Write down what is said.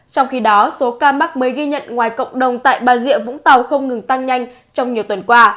trong khi đó số ca mắc mới ghi nhận ngoài cộng đồng tại bà rịa vũng tàu không ngừng tăng nhanh trong nhiều tuần qua